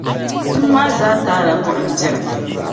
tiŋ’ maa zaa taai la buɣim diri.